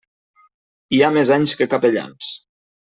Hi ha més anys que capellans.